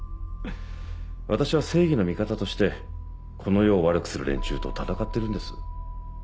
私は正義の味方としてこの世を悪くする連中と戦ってるんです。